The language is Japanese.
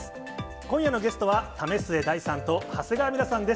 今夜のゲストは、為末大さんと長谷川ミラさんです。